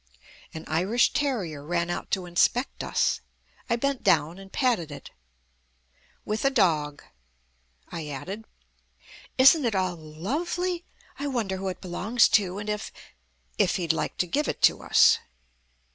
An Irish terrier ran out to inspect us. I bent down and patted it. "With a dog," I added. "Isn't it all lovely? I wonder who it belongs to, and if " "If he'd like to give it to us."